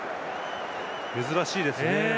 珍しいですね。